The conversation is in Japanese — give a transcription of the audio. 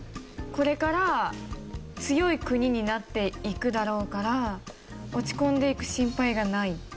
これから強い国になっていくだろうから落ち込んでいく心配がない。